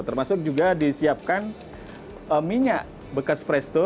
termasuk juga disiapkan minyak bekas presto